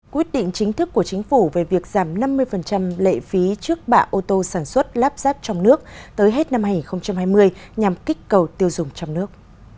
quyết định chính thức của chính phủ về việc giảm năm mươi lệ phí trước bạ ô tô sản xuất lắp ráp trong nước tới hết năm hai nghìn hai mươi nhằm kích cầu tiêu dùng trong nước